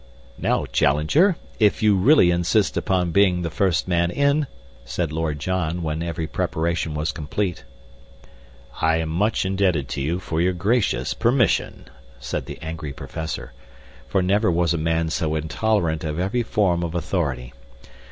"Now, Challenger, if you really insist upon being the first man in," said Lord John, when every preparation was complete. "I am much indebted to you for your gracious permission," said the angry Professor; for never was a man so intolerant of every form of authority.